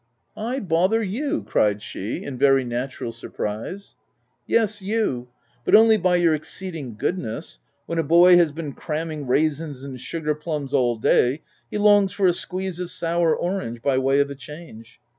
U I bother you !'' cried she in very natural surprise. "Yes, you — but only by your exceeding goodness — when a boy has been cramming raisins and sugarplums all day, he longs for a squeeze of sour orange by way of a change.